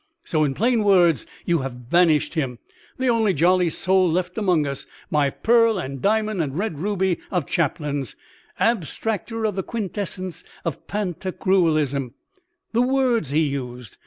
So, in plain words, you have banished him; the only jolly soul left amongst us, my pearl and diamond and red ruby of Chaplains, abstracter of the quintessence of pantagruelism! The words he used!